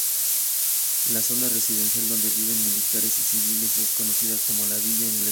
La zona residencial donde viven militares y civiles es conocida como "la villa inglesa".